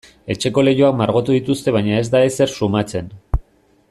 Etxeko leihoak margotu dituzte baina ez da ezer sumatzen.